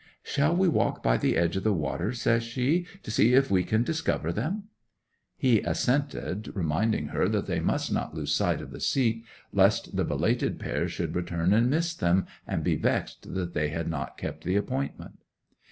'"Shall we walk by the edge of the water," said she, "to see if we can discover them?" 'He assented, reminding her that they must not lose sight of the seat, lest the belated pair should return and miss them, and be vexed that they had not kept the appointment.